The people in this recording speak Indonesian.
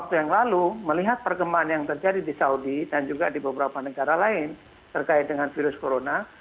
karena singapura melihat perkembangan al saud ini dan di beberapa negara lainnya menggunakan virus corona